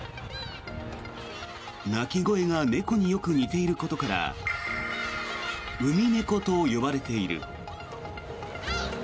鳴き声が猫によく似ていることからウミネコと呼ばれている。